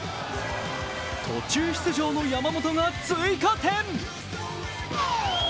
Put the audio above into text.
途中出場の山本が追加点。